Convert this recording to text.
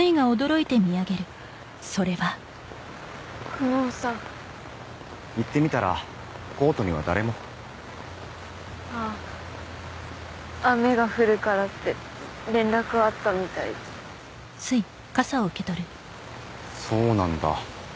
公文さん行ってみたらコートには誰もああ雨が降るからって連絡あったみたいでそうなんだ